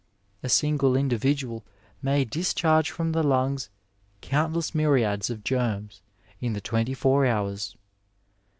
A single individual may discharge from the lungs countless myriads of germs in the twenty four hours.